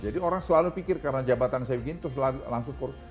jadi orang selalu pikir karena jabatan saya begini terus langsung korupsi